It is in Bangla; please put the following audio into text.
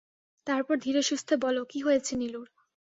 তারপর ধীরেসুস্থে বল-কী হয়েছে নীলুর?